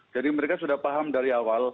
jadi mereka sudah paham dari awal